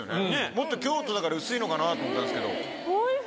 もっと京都だから薄いのかなと思ったんですけど。